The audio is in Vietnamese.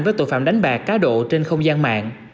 với tội phạm đánh bạc cá độ trên không gian mạng